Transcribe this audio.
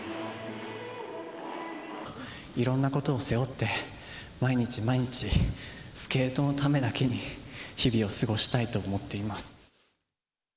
いろんなことを背負って、毎日毎日、スケートのためだけに日々を過ごしたいと思っています。